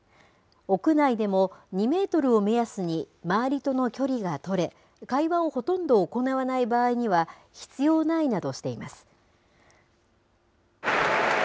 屋内でも２メートルを目安に、周りとの距離が取れ、会話をほとんど行わない場合には、必要ないなどとしています。